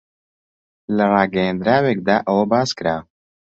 لە ڕاگەیەندراوێکدا ئەوە باس کرا